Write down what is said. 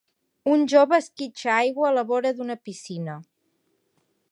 Un jove esquitxa aigua a la vora d'una piscina.